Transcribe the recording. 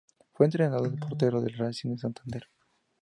Fue entrenador de porteros del Racing de Santander.